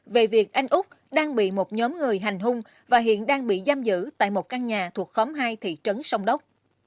về việc anh úc đang bị một nhóm người hành hung và hiện đang bị giam giữ tại một căn nhà thuộc khóm hai thị trấn sông đốc